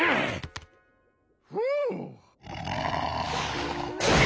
ふう。